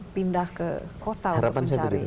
pindah ke kota